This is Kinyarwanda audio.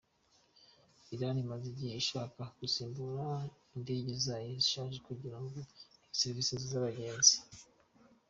Irani imaze igihe ishaka gusimbura indege zayo zishaje kugirango ihe serivisi zinza abagenzi.